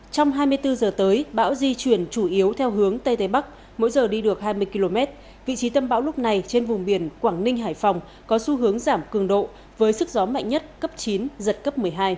trong hai mươi bốn h tới bão di chuyển chủ yếu theo hướng tây tây bắc mỗi giờ đi được hai mươi km vị trí tâm bão lúc này trên vùng biển quảng ninh hải phòng có xu hướng giảm cường độ với sức gió mạnh nhất cấp chín giật cấp một mươi hai